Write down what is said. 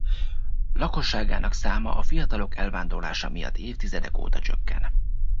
Lakosságának száma a fiatalok elvándorlása miatt évtizedek óta csökken.